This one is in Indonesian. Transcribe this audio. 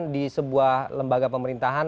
di sebuah lembaga pemerintahan